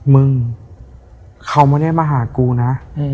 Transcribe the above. มึงเขาไม่ได้มาหากูนะ